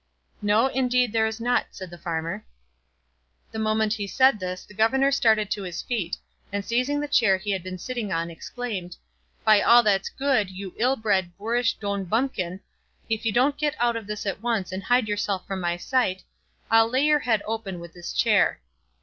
"No, indeed there is not," said the farmer. The moment he said this the governor started to his feet, and seizing the chair he had been sitting on exclaimed, "By all that's good, you ill bred, boorish Don Bumpkin, if you don't get out of this at once and hide yourself from my sight, I'll lay your head open with this chair.